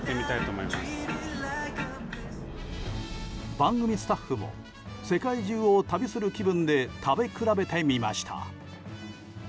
番組スタッフも世界中を旅する気分で食べ比べてみました。